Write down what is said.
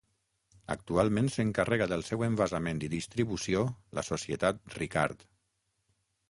Actualment s'encarrega del seu envasament i distribució la societat Ricard.